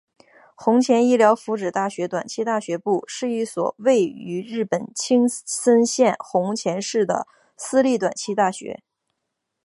弘前医疗福祉大学短期大学部是一所位于日本青森县弘前市的私立短期大学。